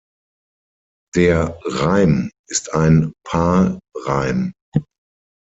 Der Reim ist ein Paarreim.